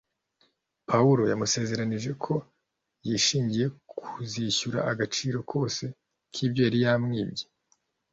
Pawulo yamusezeranije ko yishingiye kuzishyura agaciro kose k’ibyo yari yaramwibye.